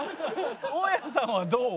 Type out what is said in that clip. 「大家さんはどう？」